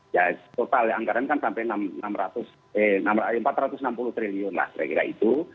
ya total ya anggaran kan sampai empat ratus enam puluh triliun lah kira kira itu